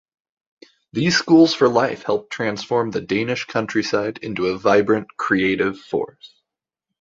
These schools for life helped transform the Danish countryside into a vibrant, creative force.